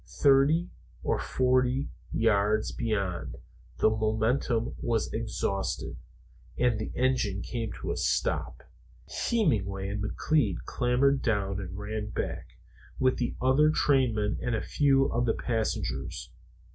Thirty or forty yards beyond, the momentum was exhausted and the engine came to a stop. Hemenway and McLeod clambered down and ran back, with the other trainmen and a few of the passengers.